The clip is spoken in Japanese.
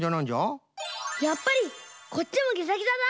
やっぱりこっちもギザギザだ！